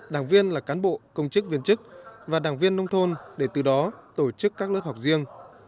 đảng viên là cán bộ công chức viên chức và đảng viên nông thôn để từ đó tổ chức các lớp học riêng